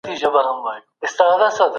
موږ د خپل هیواد تاریخ په دقت ولوستی.